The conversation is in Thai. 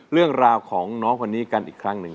เรื่องราวของน้องคนนี้กันอีกครั้งหนึ่ง